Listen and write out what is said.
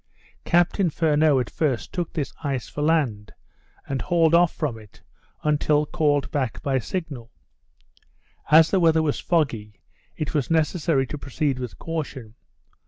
Captain Furneaux at first took this ice for land, and hauled off from it, until called back by signal. As the weather was foggy, it was necessary to proceed with caution.